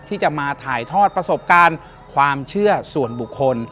ที่จะมาถ่ายทอดประสบการณ์ความเชื่อส่วนบุคคล